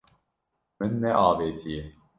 Min neavêtiye.